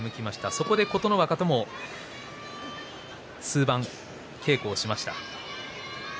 そこで琴ノ若とも数番、稽古をしました。